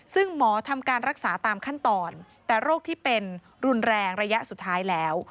ซึ่งหมอทำการรักษาตามขั้นตอนแต่โรคที่เป็นรุนแรงระยะสุดท้ายแล้ว